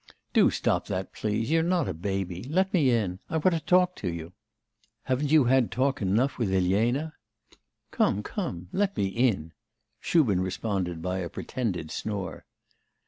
'Do stop that, please; you're not a baby. Let me in. I want to talk to you.' 'Haven't you had talk enough with Elena?' 'Come, come; let me in!' Shubin responded by a pretended snore.